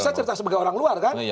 saya cerita sebagai orang luar kan